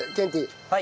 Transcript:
はい。